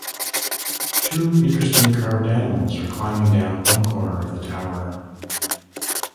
Two interesting carved animals are climbing down one corner of the tower.